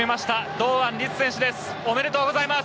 堂安律選手です。